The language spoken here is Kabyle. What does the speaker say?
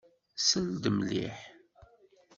Sel-d mliḥ.